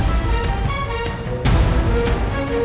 tidak ada yang bisa dihukum